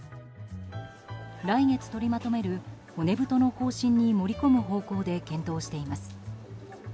来月取りまとめる骨太の方針に盛り込む方向で検討しています。